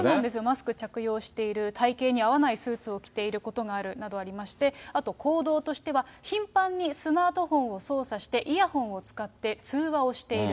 マスク着用している、体形に合わないスーツを着ていることなどがありまして、あと行動としては、頻繁にスマートフォンを操作して、イヤホンを使って通話をしている。